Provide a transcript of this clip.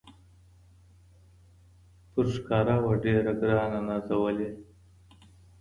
پر ښکاري وه ډېر ه ګرانه نازولې